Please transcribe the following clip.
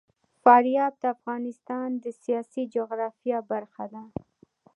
فاریاب د افغانستان د سیاسي جغرافیه برخه ده.